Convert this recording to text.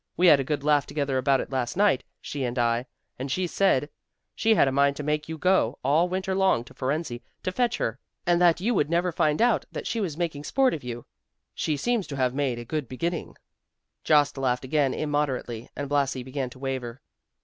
We had a good laugh together about it last night, she and I, and she said she had a mind to make you go all winter long to Fohrensee, to fetch her; and that you would never find out that she was making sport of you. She seems to have made a good beginning." Jost laughed again immoderately, and Blasi began to waver.